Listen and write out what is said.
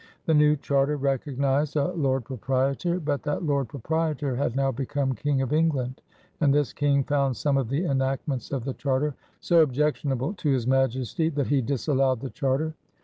The new charter recognized a Lord Proprietor. But that Lord Proprietor had now become King of England, and this King found some of the enactments of the charter so objectionable to His Majesty that he disallowed the charter.